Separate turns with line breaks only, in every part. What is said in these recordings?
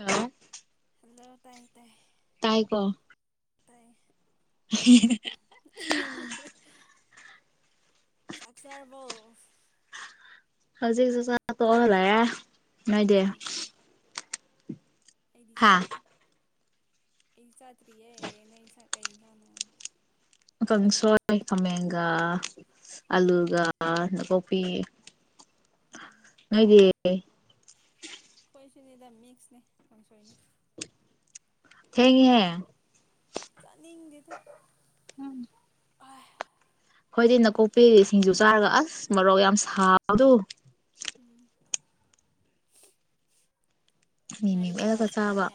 ꯑ
ꯍꯜꯂ ꯇꯥꯏ ꯇꯥꯏ
ꯇꯥꯏꯀꯣ
ꯇꯥꯏ
[inaudible]
ꯁꯥꯁꯥꯔꯕꯨꯥꯎ
ꯍꯧꯖꯤꯛ ꯆ ꯆꯥ ꯇ ꯑꯣꯏꯔ ꯃꯅꯨꯡꯣꯏꯗ
ꯀꯩ ꯏꯟꯁꯥꯡ ꯑꯩꯗꯤ ꯆꯥꯗ꯭꯭ꯔꯔꯤ ꯏ ꯆꯥꯇꯔꯤꯦ ꯅ ꯏ ꯀꯖꯥꯅꯣ
ꯀꯥꯡꯁꯣꯏ ꯈꯥꯃꯦꯟꯒ ꯑꯂꯨꯒ ꯅꯥꯀꯨꯞꯄꯤ
ꯎꯝ
ꯅꯣꯏꯗꯤ
ꯅꯦꯣꯏ
ꯊꯦꯡꯉꯦ
ꯆꯅꯤꯡꯗꯦꯗ
ꯍꯣꯏꯗꯤ ꯅꯥꯀꯣꯛꯄꯤ ꯁꯤꯡꯖꯨ ꯆꯥꯔꯒ ꯑꯁ ꯃꯔꯣꯛ ꯌꯥꯝ ꯁꯥꯎꯗꯣ
ꯎꯝ ꯅꯨꯡꯉꯥꯏꯔꯦꯅꯦ ꯋꯥꯏ
ꯃꯤꯃꯤꯂꯒ ꯆꯥꯕ
ꯁꯪꯉꯦꯅꯦ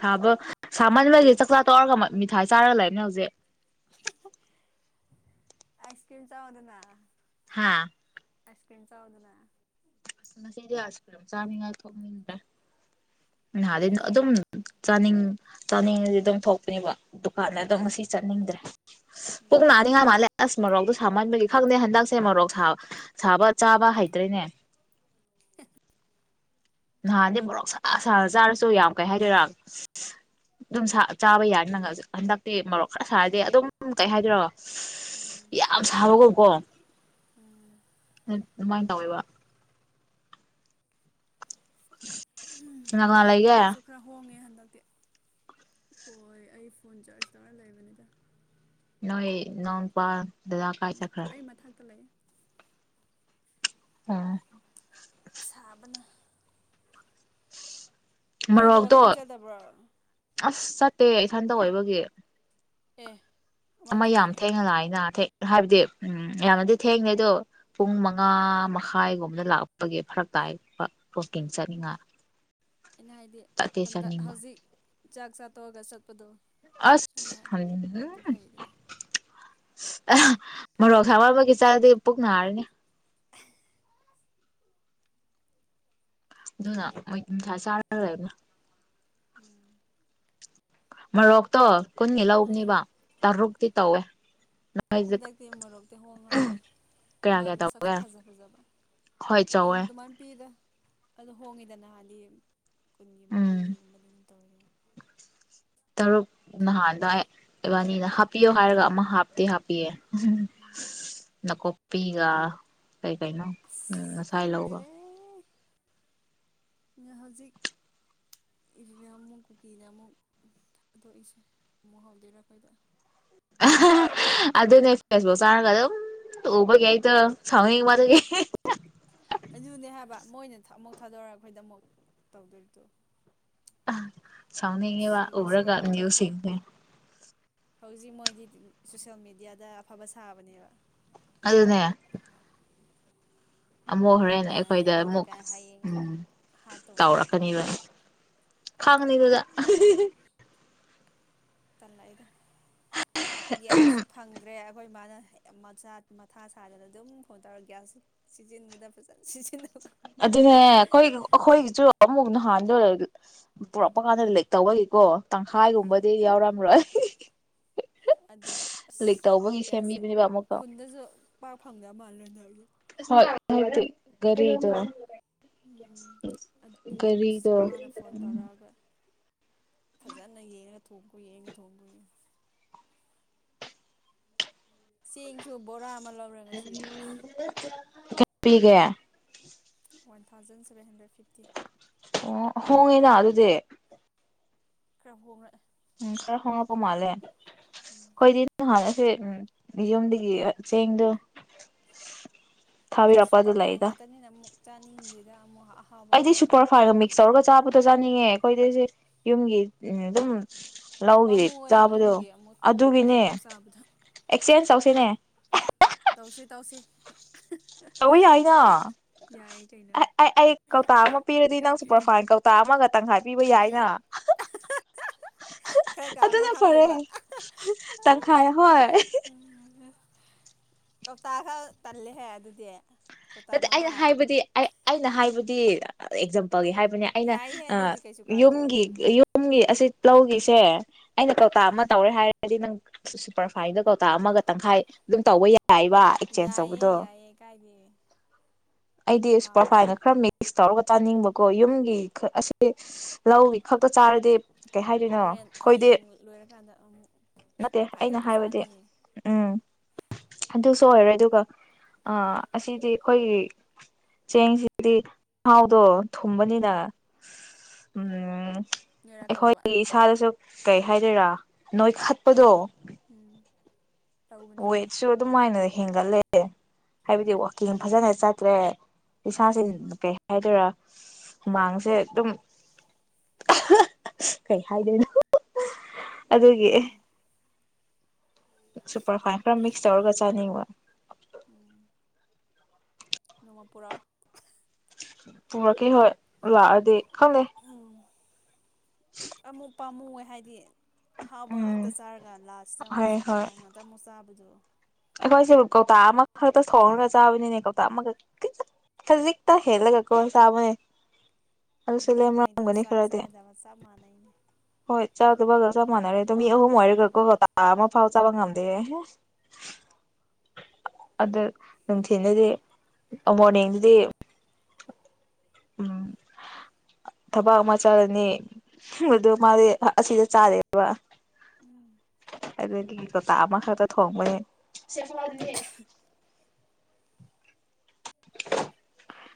ꯁꯥꯕ ꯁꯥꯃꯟꯕꯒꯤ ꯆꯥꯛꯆꯥ ꯇꯧꯔꯒ ꯃꯤꯊꯥꯏ ꯆꯥꯔꯒ ꯂꯩꯔꯅꯦ ꯍꯧꯖꯤꯛ
ꯑꯏꯁꯀ꯭ꯔꯤꯝ ꯆ ꯃꯗꯅꯥ
ꯍꯥꯥ
ꯑꯛꯁꯄꯦꯟꯁꯥꯎꯗꯗ
ꯉꯁꯤꯗꯤ ꯑꯁꯤ ꯐꯝ ꯆꯥꯅꯤꯡꯉꯥꯏ ꯊꯣꯛꯅꯤꯡꯗ꯭ꯔꯦ ꯅꯍꯥꯗꯤꯩ ꯑꯗꯨꯝ ꯆꯥꯅꯤꯡ ꯆꯥꯅꯤꯡꯉꯗꯤ ꯑꯗꯨꯝ ꯊꯣꯛꯄꯅꯦꯕ ꯗꯨꯀꯥꯟ ꯑꯗꯨꯣ
ꯎꯝ
ꯉꯁꯤ ꯆꯠꯅꯤꯡꯗ꯭ꯔꯦ
ꯎꯝ
ꯄꯨꯡ ꯅꯥꯅꯤꯡꯉ ꯃꯥꯜꯂꯦ ꯑꯁ ꯃꯔꯣꯔꯣꯛꯇꯣ ꯁꯥꯃꯟꯕꯒꯤ ꯈꯪꯗꯦ ꯍꯟꯗꯛꯁꯦ ꯃꯔꯣꯔꯣꯛ ꯁꯥꯕ ꯆꯥꯕ ꯍꯩꯇ꯭ꯔꯤꯅꯦ ꯅꯍꯥꯟꯗꯤ ꯃꯣꯔꯣꯛ ꯁꯥ ꯁꯥꯔ ꯆꯥꯔꯁꯨ ꯌꯥꯝ ꯀꯩ ꯍꯥꯏꯗꯣꯏꯔꯥ ꯑꯗꯨꯝ ꯆꯥꯕ ꯌꯥꯅꯤ ꯅꯪ ꯍꯟꯗꯛꯇꯤ ꯃꯣꯔꯣꯛ ꯈꯔ ꯁꯥꯔꯗꯤ ꯑꯗꯨꯝ ꯀꯩ ꯍꯥꯏꯗꯣꯏꯔꯒ
ꯎꯝ
ꯏ ꯁꯕ ꯀ ꯀꯣ
ꯎꯝ
ꯑꯗꯨꯃꯥꯏ ꯇꯧꯋꯦꯕ [inaudible]
ꯃꯔꯨꯞ
ꯂꯩꯒꯦ
ꯃꯣꯔꯣꯛꯁꯨ ꯈꯔ ꯍꯣꯡꯉꯦ ꯍꯟꯗꯛ [unintelligible] ꯍꯣꯏ ꯑꯩ ꯐꯣꯟ ꯆꯥꯔꯖ ꯇꯧꯔ ꯂꯩꯕꯅꯤꯗ
ꯅꯣꯏ ꯅꯥꯎꯄꯥ
ꯑꯩ ꯃꯊꯛꯇ ꯂꯩꯌꯦ
ꯑ
ꯁꯥꯕꯅ ꯅꯣꯏꯗꯤ
ꯃꯣꯔꯣꯛꯇꯣ
ꯋꯥꯛꯀꯤꯡ ꯆꯠꯗꯕ꯭ꯔꯣ
ꯑꯁ ꯆꯠꯇꯦ ꯏꯊꯟꯇ ꯑꯣꯏꯕꯒꯤ
ꯄꯦ
ꯑꯃ ꯌꯥꯝ ꯊꯦꯡꯅ ꯂꯥꯛꯑꯦꯅꯥ ꯊꯦꯛ ꯍꯥꯏꯕꯗꯤ ꯎꯝ ꯌꯥꯝꯅꯗꯤ ꯊꯦꯡꯉꯦ ꯑꯗꯨ ꯄꯨꯡ ꯃꯉꯥ ꯃꯈꯥꯏꯒꯨꯝꯕꯗ ꯂꯥꯛꯄꯒꯤ ꯐꯔꯛ ꯇꯥꯏ ꯕ [unintelligible]
ꯑꯩꯅ ꯍꯥꯏꯗꯤ ꯍꯟꯗꯛ ꯍꯧꯖꯤꯛ ꯆꯥꯛ ꯆꯥ ꯇꯣꯛꯑꯒ ꯆꯠꯄꯗꯣ
ꯑꯁ
[unintelligible] ꯑꯗꯨ ꯐꯩꯌꯦ ꯗꯗꯥ
ꯑ ꯃꯣꯔꯣꯛ ꯁꯕꯥ ꯑꯃꯒꯤ ꯆꯥꯔꯗꯤ ꯄꯨꯛ ꯅꯥꯔꯅꯤ ꯑꯗꯨꯅ ꯃꯣꯏ ꯌꯨꯝꯁꯥ ꯆꯥꯔ ꯂꯩꯕꯅꯦ
ꯎꯝ
ꯃꯔꯣꯛꯇꯣ ꯀꯨꯟꯒꯤ
ꯑꯥ
ꯂꯧꯕꯅꯦꯕ ꯇꯔꯨꯛꯇꯤ ꯇꯧꯋꯦ ꯅꯣꯏꯗꯤ
ꯍꯟꯗꯛꯇꯤ ꯃꯣꯔꯣꯛꯇꯤ
ꯀꯌꯥ
ꯍꯣꯡꯉꯥꯕꯅꯦ
ꯀꯌꯥ
ꯃꯁꯛꯁꯨ
ꯇꯧꯒꯦ
ꯐꯖ ꯐꯖꯕ
ꯍꯣꯏ
ꯑꯗꯨꯝ
ꯆꯧꯋꯦ
ꯑꯗꯨꯃꯥꯏ ꯄꯤꯗ ꯑꯗꯣ ꯍꯣꯡꯉꯤꯗ ꯅꯍꯥꯟꯗꯤ ꯀꯨꯟꯒꯤ
ꯎꯝ
ꯃꯔꯤ ꯒꯨꯝꯕꯗꯝ [unintelligible]
ꯇꯔꯨꯛ ꯅꯍꯥꯟꯗ ꯏꯕꯥꯅꯤꯅ ꯍꯥꯞꯄꯤꯌꯣ ꯍꯥꯏꯔꯒ ꯑꯃ ꯍꯥꯞꯇꯦ ꯍꯥꯞꯄꯦꯌꯦ ꯎꯝ ꯅꯀꯣꯛ ꯄꯤꯒ ꯀꯩ ꯀꯩꯅꯣ
ꯑꯁ
ꯉꯁꯥꯏ ꯂꯧꯕ
ꯈꯪꯗꯦꯔꯦ ꯍꯧꯖꯤꯛ ꯏꯚꯤꯅꯤꯡ ꯑꯃꯨꯛ ꯀꯨꯀꯤ ꯅꯥ ꯑꯃꯨꯛ [unintelligible] ꯑꯃꯨꯛ ꯍꯧꯗꯨꯔ ꯈꯣꯏꯗ
ꯑꯗꯨꯅ ꯐꯦꯁꯕꯨꯛ ꯆꯥꯔꯒ ꯑꯗꯨꯝ ꯎꯕꯒꯤ ꯑꯩꯗꯣ ꯁꯥꯎꯅꯤꯡꯕ ꯑꯗꯨꯒꯤ
ꯑꯗꯨꯅꯦ ꯍꯥꯏꯕ ꯃꯣꯏꯅ ꯑꯃꯨꯛ ꯊꯥꯗꯣꯔꯒ ꯑꯩꯈꯣꯏꯗ ꯑꯃꯨꯛ ꯇꯧꯗꯣꯏ ꯇꯣ
ꯑꯥ ꯁꯥꯎꯅꯤꯡꯉꯤꯕꯥ ꯎꯔꯒ ꯅꯤꯎꯁ
ꯁꯥꯗꯅ
ꯁꯤꯡꯁꯦ
ꯍꯧꯖꯤꯛ ꯃꯣꯏꯗꯤ ꯁꯣꯁꯦꯜ ꯃꯦꯗꯤꯌꯥꯗ ꯑꯐꯕ ꯁꯥꯕꯅꯦꯕ
ꯑꯗꯨꯅꯦ ꯑꯃꯨꯛ
ꯌꯥꯝ
ꯍꯣꯔꯦꯟ
ꯅꯨꯡꯉꯥꯏꯔꯦ
ꯑꯩꯈꯣꯏꯗ
ꯈꯣꯠꯂꯦ
ꯑꯃꯨꯛ
ꯀꯥꯏ ꯍꯌꯦꯡ
ꯎꯝ
ꯑꯃꯨꯛ ꯍꯥꯠꯇꯧꯅꯦꯕ
ꯇꯧꯔꯛꯀꯅꯤꯕ
ꯇꯧꯔꯤꯁꯦ
ꯈꯪꯅꯤꯗꯨꯗ [unintelligible]
ꯇꯜꯂꯥꯛꯑꯦꯗꯥ ꯒ꯭ꯌꯥꯁꯁꯨ ꯐꯪꯗ꯭ꯔꯦ ꯑꯩꯈꯣꯏ ꯃꯥꯅ ꯃꯆꯥ ꯃꯊꯥ ꯁꯥꯗꯅ ꯑꯗꯨꯝ ꯐꯣꯟ ꯇꯧꯔꯒ ꯒ꯭ꯌꯥꯁ ꯁꯤꯖꯤꯟꯕꯗ ꯐꯖꯅ ꯁꯤꯖꯤꯟꯅ
ꯑꯗꯨꯅꯦ ꯑꯩꯈꯣꯏ ꯑꯩꯈꯣꯏꯒꯤꯁꯨ ꯑꯃꯨꯛ ꯅꯍꯥꯟꯗꯣ ꯄꯨꯔꯛꯄ ꯀꯥꯟꯗ ꯂꯤꯛ ꯇꯧꯕꯒꯤꯀꯣ
ꯎꯝ
ꯇꯪꯈꯥꯏꯒꯨꯝꯕꯗꯤ ꯌꯥꯎꯔꯝꯔꯣꯏ
ꯑꯗꯨꯒꯤ ꯑꯁ
ꯂꯤꯛ ꯇꯧꯕꯒꯤ ꯁꯦꯝꯕꯤꯕꯅꯦꯕ ꯑꯃꯨꯛꯀ
ꯐꯪꯗ ꯃꯥꯜꯂꯦ ꯅꯣꯏꯒꯤ ꯎꯝ
[unintelligible]
ꯑꯗꯨꯒꯤ ꯑꯁ
ꯀꯔꯤꯗꯣ
ꯃꯥꯅ ꯐꯣꯟ ꯇꯧꯔꯛꯑꯒ ꯐꯖꯅ ꯌꯦꯡꯉꯒ ꯊꯣꯡꯈꯣ ꯌꯦꯡꯒ ꯊꯣꯡꯈꯣꯌꯦ ꯆꯦꯡꯁꯨ ꯕꯣꯔꯥ ꯑꯃ ꯂꯧꯔꯦ ꯉꯁꯤ ꯑꯁ
[unintelligible] ꯄꯤꯒꯦ
one thousand seven hundred fifty
ꯑꯣ ꯍꯣꯡꯉꯤꯅ ꯑꯗꯨꯗꯤ
ꯈꯔꯥ ꯍꯣꯡꯔꯛꯑꯦ
ꯎꯝ ꯈꯔ ꯍꯣꯡꯉꯛꯄ ꯃꯥꯂꯦ ꯈꯣꯢꯗꯤ [unintelligible] ꯌꯨꯝꯗꯒꯤ ꯆꯦꯡꯗꯣ
ꯑꯗꯨ
ꯊꯥꯕꯤꯔꯛꯄ
ꯁꯨꯄꯔ ꯐꯥꯏꯟ
ꯂꯩꯗ
ꯉꯥꯛꯇꯅꯤꯅ ꯑꯃꯨꯛ ꯆꯥꯅꯤꯡꯗꯦꯗ ꯑꯃꯨꯛ ꯑꯍꯥꯎꯕ
ꯑꯩꯗꯤ
ꯈꯤꯇꯪ
ꯁꯨꯄꯔ
ꯍꯥꯞꯄꯗꯤ
ꯐꯥꯏꯟꯒ ꯃꯤꯛꯁ
ꯐꯩꯗꯅ
ꯇꯧꯔꯒ ꯆꯥꯕꯗꯣ ꯆꯥꯅꯤꯡꯉꯦ ꯑꯩꯈꯣꯏꯗꯤ ꯌꯨꯝꯒꯤ ꯎꯝ ꯑꯗꯨꯝ ꯂꯧꯒꯤ
ꯄꯥꯝꯃꯨꯑꯦ
ꯆꯥꯕꯗꯣ
ꯌꯨꯝꯒꯤ ꯑꯃꯨꯛ
ꯑꯗꯨꯒꯤꯅꯦ
ꯈꯛꯇ ꯆꯥꯕꯗꯣ
ꯑꯦꯛꯆꯦꯟꯁ ꯇꯧ ꯁꯤꯅꯦ
ꯇꯧꯁꯦ ꯇꯧꯁꯦ
ꯇꯧꯕ ꯌꯥꯏꯅ
ꯀꯩꯅꯣ
ꯑꯩ ꯑꯩ ꯀꯧꯇꯥ ꯑꯃ ꯄꯤꯔꯗꯤ ꯅꯪ ꯁꯨꯄꯔ ꯐꯥꯏꯟ ꯀꯧꯇꯥ ꯑꯃꯒ ꯇꯪꯈꯥꯏ ꯄꯤꯕ ꯌꯥꯏꯅ
ꯈꯔ ꯀꯥ
ꯑꯗꯨꯅ
ꯑꯃꯨꯛ
ꯐꯔꯦ
ꯍꯥꯞꯇꯣꯏꯕ
ꯇꯪꯈꯥꯏ ꯍꯣꯏ
ꯀꯧꯇꯥ ꯇꯂꯦꯍꯦ ꯑꯗꯨꯗꯤ ꯀꯧꯇꯥ
ꯅꯠꯇꯦ ꯑꯩꯅ
ꯃꯉꯥ
ꯍꯥꯏꯕꯗꯤ ꯑꯩꯅ ꯍꯥꯏꯕ ꯑꯦꯛꯖꯝ ꯄꯜꯒꯤ ꯍꯥꯏꯕꯅꯦ ꯑꯩꯅ
ꯌꯥꯏꯍꯦ ꯑꯗꯨꯗꯤ ꯀꯩꯁꯨ ꯀꯥꯏꯗꯦ
ꯌꯨꯝꯒꯤ
ꯀꯩꯅꯣ
ꯌꯨꯝꯒꯤ ꯑꯁꯤ ꯂꯧꯒꯤꯁꯦ ꯑꯩꯅ ꯀꯧꯇ ꯑꯃ ꯇꯧꯔꯦ ꯍꯥꯏꯔꯗꯤ ꯅꯪ ꯁꯨꯄꯔ ꯐꯥꯏꯟꯗꯣ ꯀꯧꯇꯥ ꯑꯃꯒ ꯇꯪꯈꯥꯏ ꯑꯗꯨꯝ ꯇꯧꯕ ꯌꯥꯏ ꯌꯥꯏꯕ ꯑꯦꯛꯆꯦꯟꯖ
ꯌꯥꯏꯌꯦ
ꯇꯧꯕꯗꯣ
ꯌꯥꯏꯌꯦ ꯀꯥꯏꯗꯦ
ꯑꯩꯗꯤ
ꯑꯗꯨ
ꯁꯨꯄꯔ
ꯄꯥꯝꯃꯦ
ꯐꯥꯏꯟꯅ ꯈꯔ ꯃꯤꯛꯁ ꯇꯧꯔꯒ ꯆꯥꯅꯤꯡꯕꯀꯣ ꯌꯨꯝꯒꯤꯛ ꯑꯁꯤꯁꯦ ꯂꯧꯒꯤ ꯈꯛꯇ ꯆꯥꯔꯗꯤ ꯀꯩ ꯍꯥꯏꯗꯣꯏꯅꯣ
ꯍꯣꯔꯦꯟ
ꯑꯩꯈꯣꯏꯗꯤ
ꯍꯌꯦꯡ ꯂꯣꯏꯔꯀꯥꯟꯗ ꯑꯃꯨꯛ
ꯅꯠꯇꯦ
ꯁꯨꯄꯔ ꯐꯥꯏꯟ
ꯑꯩꯅ
ꯉꯥꯛꯇ
ꯍꯥꯏꯕꯗꯤ
ꯆꯥꯅꯤꯌꯦ
ꯎꯝ ꯑꯗꯨꯁꯨ ꯑꯣꯏꯔꯦ ꯑꯗꯨꯒ ꯑ ꯑꯁꯤꯗꯤ ꯑꯩꯈꯣꯏꯒꯤ ꯆꯦꯡꯁꯤꯗꯤ ꯃꯍꯥꯎꯗꯣ ꯊꯨꯝꯕꯅꯤꯅ
ꯎꯝ
[unintelligible]
ꯅꯣꯏꯔꯛꯀꯗꯕ
ꯑꯩꯈꯣꯏ ꯁꯗꯁꯨ ꯀꯩ ꯍꯥꯏꯗꯣꯏꯔꯥ ꯅꯣꯏ ꯈꯠꯄꯗꯣ
[inaudible]
ꯑꯣꯣꯏꯦꯁꯨ ꯑꯣ ꯑꯗꯨꯝ ꯍꯥꯏꯅꯗꯤ ꯍꯦꯟꯒꯜꯂꯦꯦ ꯍꯥꯏꯕꯗꯤ
ꯎꯝ
ꯋꯥꯋꯥꯛꯀꯤꯡ ꯐꯖꯅ ꯆꯠ ꯇ꯭ꯔꯦ
ꯎꯝ
ꯄꯁꯥꯁꯤ ꯀꯦ ꯍꯥꯏꯗꯣꯏꯔꯥ ꯍꯨꯃꯥꯡꯁꯦ ꯑꯗꯨꯝ ꯀꯩ ꯍꯥꯏꯗꯣꯏꯅꯣ ꯑꯗꯨꯒꯤ
ꯎꯝ
ꯁꯨꯄꯔ ꯐꯥꯏꯟ ꯈꯔ ꯃꯁꯧꯔꯒ ꯆꯅꯤ
ꯎꯝ ꯅꯣꯡꯃꯄꯥ
ꯄꯨꯔꯛꯀꯦ ꯍꯣꯏ ꯂꯥꯛꯑꯗꯤ ꯈꯪꯗꯦ
ꯑꯃꯃꯨ ꯄꯥꯝꯃꯨ ꯑꯣꯏ ꯍꯥꯏꯗꯤ ꯑꯍꯥꯎꯕ
ꯎꯝ
ꯉꯥꯛꯇ ꯆꯥꯔꯒ ꯂꯥꯁꯁꯤꯗ ꯑꯃꯨꯛ ꯄꯔꯐꯥꯏꯜ ꯉꯥꯛꯇ ꯑꯃꯨꯛ ꯆꯥꯕꯗꯣ
ꯑꯩꯈꯣꯏꯁꯦꯕꯨ ꯀꯧꯇꯥ ꯑꯃꯈꯛꯇ ꯁꯣꯡꯔꯒ ꯆꯥꯕꯅꯤꯅꯦ ꯀꯧꯇꯥ ꯑꯃꯈꯛ ꯈꯖꯤꯛꯇ ꯍꯦꯜꯂꯒ ꯀ ꯆꯥꯕꯅꯦ ꯑꯗꯨꯁꯨ
ꯍꯣꯏꯅꯦ ꯅꯣꯏꯗꯤ
ꯂꯦꯝꯔꯝꯒꯅꯤ
ꯆꯥꯛ
ꯈꯔꯗꯤ
ꯆꯥꯖꯕ ꯆꯞ ꯃꯥꯟꯅꯩꯅꯦ
ꯍꯣꯏ ꯆꯠ ꯑꯗꯨꯕꯒ ꯆ ꯃꯅꯔꯦꯝ ꯑꯍꯨꯝ ꯃ ꯋꯥꯔꯤꯔ ꯀꯣ ꯑꯥ ꯑꯃ ꯐꯥꯎ ꯆꯕ ꯉꯝꯗꯦꯦ ꯑꯗ ꯅꯨꯡꯊꯤꯤꯟꯗꯗꯤ ꯃꯣꯔꯅꯤꯡꯗꯗꯤ ꯎꯝ ꯊꯕꯛ ꯑꯃ ꯆꯥꯔꯅꯤ ꯑꯗꯨ ꯃꯥꯗꯤ ꯑꯁꯤꯗ ꯆꯥꯔꯦꯕ
ꯎꯝ
ꯑꯗꯨꯗꯒꯤ ꯂꯣꯇꯥ ꯑꯃꯈꯛꯇ ꯊꯣꯡꯕꯅꯦ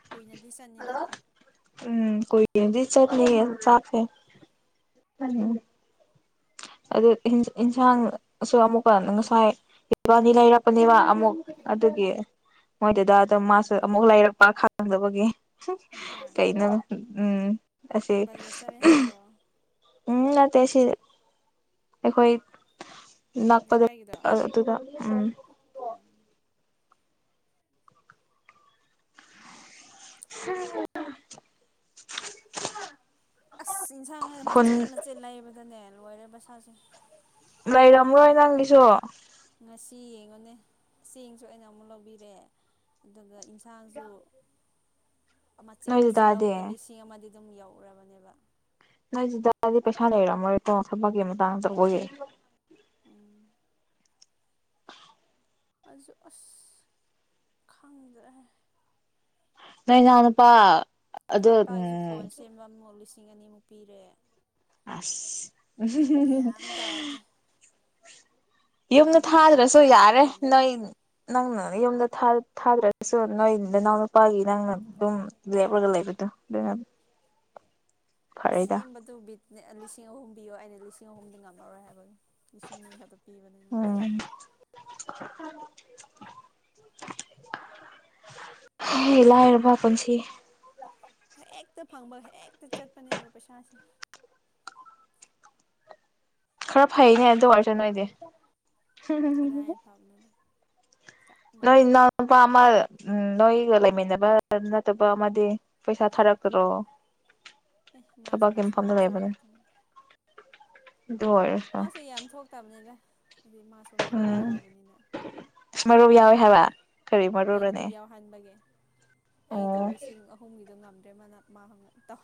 ꯀꯨꯏꯅꯗꯤ ꯆꯅꯤꯗ
ꯎꯝ ꯀꯣꯏ ꯏ ꯆꯠ ꯅ ꯆꯐꯦꯝ ꯑꯗꯨ ꯌꯦꯟꯁꯥꯡꯁꯨ ꯑꯃꯨꯛꯀ ꯉꯁꯥꯏ ꯏꯕꯥꯅꯤ ꯂꯩꯔꯛꯄꯅꯦꯕ ꯑꯃꯨꯛ
ꯎꯝ
ꯑꯗꯨꯗꯒꯤ ꯃꯣꯏꯗꯨꯗꯥ ꯑꯗꯨꯝ ꯃꯥꯁꯨ ꯑꯃꯨꯛ ꯂꯩꯔꯛꯄ ꯈꯥꯡꯪꯗꯕꯒꯤ
ꯏꯟꯁꯥꯡ
ꯀꯩꯅꯩꯅ ꯎꯝ ꯑꯁꯤꯁꯦ
ꯕꯖꯥꯔ ꯆꯠꯂꯦ ꯍꯥꯏꯕ꯭ꯔꯣ
ꯎꯝ ꯅ ꯇꯁꯤ ꯑꯩꯈꯣꯏꯣꯏ ꯅꯛꯄꯗ
ꯂꯩꯀꯥꯏꯒꯤꯗꯣ
ꯑꯗꯨꯗ ꯎꯝ ꯍꯝ
ꯑꯁ ꯌꯦꯟꯁꯥꯡꯅ ꯃꯆꯦꯠ ꯃꯆꯦꯠ ꯂꯩꯕꯗꯅꯦ ꯋꯥꯔꯤꯔꯦꯕꯁ ꯍꯧꯖꯤ
ꯂꯩꯔꯝ꯭ꯔꯣꯏ ꯅꯪꯒꯤꯁꯨ
ꯉ ꯌꯦꯡꯉꯣꯅꯦ ꯆꯦꯡꯁꯨ ꯑꯩꯅ ꯑꯃꯨꯛ ꯂꯧꯕꯤꯔꯛꯑꯦ ꯑꯗꯨꯒ ꯊꯥꯖꯣ ꯃꯆꯦ
ꯅꯣꯏ
ꯃꯆ
ꯗꯗꯥꯗꯤ
ꯂꯕ ꯂꯤ ꯁꯤ ꯃ ꯑꯗꯨꯝ ꯌꯥꯎꯔꯕꯅꯦꯕ
ꯅꯪ ꯗꯗꯤ ꯄꯩꯁꯥ ꯂꯩꯔꯝꯃꯔꯦ ꯇꯣ ꯊꯕꯛꯀꯤ ꯃꯇꯥꯡ ꯆꯒ ꯌꯥ
ꯎꯝ ꯑꯗꯨ ꯑꯁ ꯈꯪꯗꯦ
ꯅ ꯅꯅꯄꯥ
ꯏꯅꯥꯎ ꯅꯨꯄꯥꯒꯤꯁꯦ ꯐꯣꯟ ꯁꯦꯝꯕ ꯑꯃ ꯃꯨꯠꯂꯤꯁꯦ ꯂꯤꯁꯤꯡ ꯑꯅꯤꯃꯨꯛ ꯄꯤꯔꯦ
ꯑꯁ ꯎ
ꯒ꯭ꯌꯥꯟ ꯇꯥꯗ꯭ꯔꯦ
ꯌꯨꯝꯗ
ꯌꯨꯝ ꯕꯔꯥꯒꯤ
ꯊꯥꯗ꯭ꯔꯁꯨ
ꯂꯩꯇꯅ
ꯌꯥꯔꯦ
ꯇꯣꯛꯀꯅꯤ
ꯅꯣꯏ ꯅꯪꯅ ꯌꯨꯝꯗ ꯊꯥꯗ ꯊꯥꯗ꯭ꯔꯒꯁꯨ ꯅꯣꯏ ꯅꯅꯥꯎꯅꯄꯥꯒꯤ ꯅꯪꯅ ꯑꯗꯨꯝ ꯂꯦꯞꯂꯒ ꯂꯩꯕꯗꯣ ꯑꯗꯨꯅꯅꯤ
ꯁꯗꯨ ꯂꯤꯁꯤꯡ ꯑꯍꯨꯝꯕꯤꯌꯣ ꯑꯩꯅ ꯂꯤꯁꯤꯡ ꯑꯍꯨꯝꯗꯤ ꯉꯝꯃꯔꯣꯏ ꯍꯥꯏꯕꯒꯤ ꯏꯁꯤꯡꯅꯤ ꯈꯛꯇ ꯄꯤꯕꯅꯤꯅ
ꯎꯝ ꯂꯥꯏꯔꯕ ꯄꯨꯟꯁꯤ
ꯍꯦꯛꯇ ꯐꯪꯕ ꯍꯦꯛꯇ ꯆꯠꯄꯅꯦꯕ ꯄꯩꯁꯥꯁꯦ
ꯈꯔ ꯐꯩꯅꯦ ꯑꯗꯨ ꯑꯣꯏꯔꯁꯨ ꯅꯣꯏꯗꯤ
ꯀꯗꯥꯥꯏ ꯐꯥꯞꯅꯅ
ꯅ ꯏꯟꯅ ꯄꯃ ꯎꯝ ꯅꯣꯏꯒ ꯂꯩꯃꯤꯟꯅꯕ ꯅꯠꯇꯕ ꯑꯃꯗꯤ ꯄꯩꯁꯥ ꯊꯥꯔꯛꯇ꯭ꯔꯣ
ꯑꯦ ꯃꯥꯁꯨ
ꯊꯕꯛꯀꯤ
ꯃꯥꯁ
ꯃꯐꯝꯗ
ꯃꯁꯥꯒꯦ
ꯂꯩꯕꯅꯦ
ꯑꯗꯨꯝ
ꯑꯗꯨ ꯑꯣꯏꯔꯁꯨ
ꯃꯥꯁꯦ ꯌꯥꯝ ꯊꯣꯛꯇꯕꯅꯤꯅ ꯍꯥꯏꯗꯤ ꯃꯥꯁꯨ ꯃꯔꯨ ꯌꯥꯎꯕꯅꯤꯅ
ꯃꯔꯨ ꯌꯥꯎꯏꯦ ꯍꯥꯏꯕ ꯀꯔꯤ
ꯑꯩꯒꯤꯗꯨ
ꯃꯔꯨꯔꯅꯦ
ꯌꯥꯎꯍꯟꯕꯒꯦ ꯑꯩꯗꯣ
ꯑꯣ
ꯂꯤꯁꯤꯡ ꯑꯍꯨꯝꯒꯤꯗꯣ ꯉꯝꯗ ꯇꯧ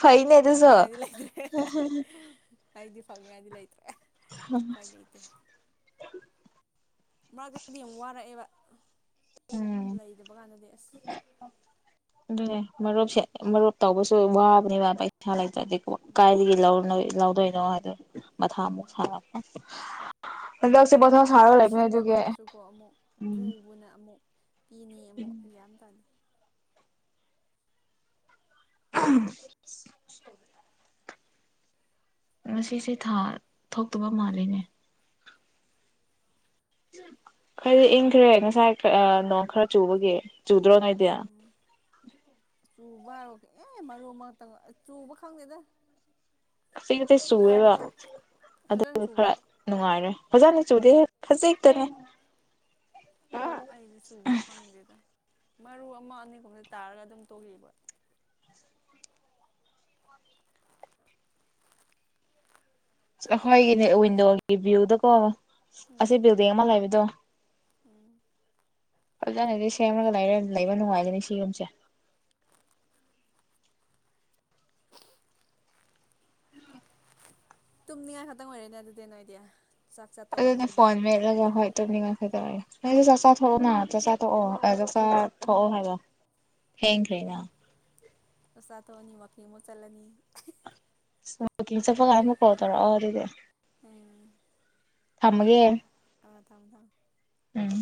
ꯐꯩꯅꯦ ꯇꯁꯨꯣ
ꯐꯪꯅꯤꯉꯥꯏꯗꯤ ꯐꯪꯗꯤ ꯂꯩ ꯄ ꯂꯩꯩꯇ ꯃꯔꯛꯇꯗꯤ ꯌꯥꯝ ꯋꯥꯔꯛꯑꯦꯕ
ꯎꯝ
ꯂꯩꯇꯕ ꯀꯥꯟꯗꯗꯤ ꯑꯁ
ꯑꯗꯨꯅꯦ ꯃꯔꯨꯞꯁꯦ ꯃꯔꯨꯞꯞ ꯇꯧꯕꯁꯨ ꯋꯥꯕꯅꯤ ꯋꯥꯕ ꯏ
ꯎꯝ
ꯀꯥꯏꯗꯒꯤ ꯂꯧꯅ ꯂꯧꯗꯣꯏꯅꯣ ꯃꯊꯥ ꯑꯃꯨꯛ
ꯎꯝ
ꯁꯥꯔꯛꯄ ꯃꯊꯥ ꯁꯥꯔꯒ ꯂꯩꯕꯅꯦ
ꯇꯨꯡꯁꯤꯟꯕ
ꯑꯗꯨꯒꯤ
ꯑꯣꯏꯔꯁꯨꯀꯣ ꯑꯃꯨꯛ
ꯎꯝ
ꯄꯨꯕꯅꯦ ꯑꯃꯨꯛ ꯄꯤꯅꯤ ꯑꯃꯨꯛ ꯌꯥꯝꯒ꯭ꯌꯥ ꯇꯥꯅꯤ
[inaudible] ꯉꯁꯤꯁꯦ ꯊꯥ ꯊꯣꯛꯇꯕ ꯃꯥꯜꯂꯦꯅꯦ ꯈꯔꯗꯤ ꯏꯪꯈ꯭ꯔꯦ ꯉꯁꯥꯏ ꯅꯣꯡ ꯈꯔ ꯆꯨꯕꯒꯤ ꯆ ꯎꯗ꯭ꯔꯣ ꯉꯗꯌꯥ
ꯎꯝ ꯆꯨꯕ ꯍꯥꯏꯔ ꯑꯦ ꯃꯔꯨ ꯑꯃꯛꯇꯪ ꯆꯨꯕ ꯈꯪꯗꯦꯗ
ꯑꯁꯤꯗꯤ ꯆꯨꯋꯦꯕ ꯑꯗꯨ
ꯐꯖꯅ
ꯈꯔ
ꯆꯨꯕ꯭ꯔꯣ
ꯅꯨꯡꯉꯥꯏꯔꯦ ꯐꯖꯅ ꯆꯨꯗꯦ ꯐꯖꯩꯇꯅꯦ
ꯑꯩꯗꯤ ꯆꯨꯕ ꯈꯪꯗꯦꯗ ꯃꯔꯨ ꯑꯃ ꯑꯅꯤꯒꯨꯝꯕꯗ ꯇꯥꯔꯒ ꯑꯗꯨꯝ ꯇꯣꯛꯑꯦꯕ
ꯑꯩꯈꯣꯏꯒꯤꯅꯦ ꯋꯤꯟꯗꯣꯒꯤ ꯚꯤꯌꯨꯗ ꯀꯣ ꯑꯁꯤ
ꯎꯝ
ꯕꯤꯜꯗꯤꯡ ꯑꯃ ꯂꯩꯕꯗꯣ
ꯎꯝ
ꯐꯖꯥꯅꯗꯤ ꯁꯦꯝꯃꯒ ꯂꯩꯕ ꯅꯨꯡꯉꯥꯏꯒꯅꯤ ꯁꯤ ꯌꯨꯝꯁꯦ
ꯇꯨꯝꯃꯤꯅꯤꯉꯥꯢ ꯈꯛꯇꯪ ꯑꯣꯏꯔꯦꯅꯦ ꯑꯗꯨꯗꯤꯅꯣ ꯅꯣꯏꯗꯤ ꯆꯥꯛ ꯆꯥ
ꯑꯗꯨ
ꯇꯣꯛꯑꯕꯅꯤꯅ
ꯐꯣꯟ ꯃꯦꯠꯂꯒ ꯖ ꯇꯧꯅꯤꯡꯉꯥꯢ ꯂꯩꯇꯦ ꯑꯩꯁ ꯆꯥꯛꯆꯥ ꯊꯣꯛꯑꯣ ꯅ ꯆꯥꯛꯆꯥ ꯊꯣꯛꯑꯣ ꯆꯥꯛꯆꯥ ꯊꯣꯛꯑꯣ ꯍꯥꯏꯕ ꯊꯦꯡꯈ꯭ꯔꯦꯅꯥ
ꯆꯥꯊꯣꯛꯑꯅꯤ ꯋꯥꯛꯀꯤꯡ ꯑꯃꯨꯛ ꯆꯠꯂꯅꯤ
ꯁꯣ ꯋꯥꯛꯀꯤꯡ ꯆꯠꯂꯝꯗꯥꯏ ꯐꯣꯟ ꯇꯔꯛꯑꯣ ꯑꯗꯨꯗꯤ
ꯎꯝ
ꯊꯝꯃꯒꯦ
ꯇꯗꯕꯔꯥ
ꯎꯝ